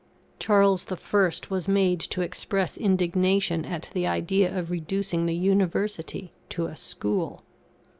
Charles I. was made to express indignation at the idea of reducing the University to a school!